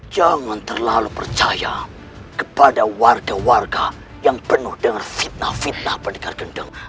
jangan terlalu percaya kepada warga warga yang penuh dengan fitnah fitnah pendekar kendeng